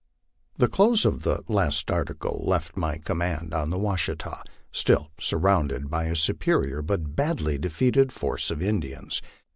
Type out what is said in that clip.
THE close of the last article left my command on the Washita, still sur rounded by a superior but badly defeated force of Indians.